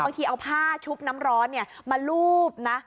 ทีเอาผ้าชุบน้ำร้อนเนี่ยมารูปนะ